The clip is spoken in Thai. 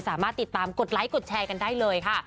สามารถติดตามกดไลค์กดแชร์กันได้เลยค่ะ